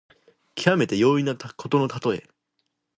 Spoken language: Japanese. きわめて容易なことのたとえ。